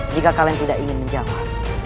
jika kalian tidak ingin menjawab